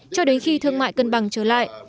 cho đến khi thương mại cân bằng trở lại